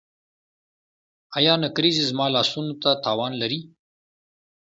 ایا نکریزې زما لاسونو ته تاوان لري؟